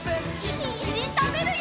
にんじんたべるよ！